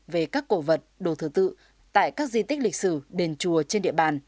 về các cổ vật đồ thờ tự tại các di tích lịch sử đền chùa trên địa bàn